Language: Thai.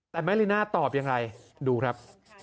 แต่แม่ลีน่าตอบยังไงดูครับ